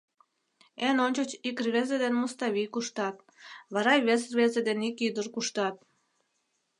Эн ончыч ик рвезе ден Муставий куштат, вара вес рвезе ден ик ӱдыр куштат.